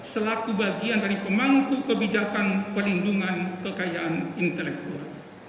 selaku bagian dari pemangku kebijakan pelindungan kekayaan intelektual